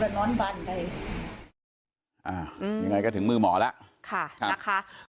แต่ว่าไม่ขึ้นมันคืออีกเป็นเหตุกรณอนบ้านใด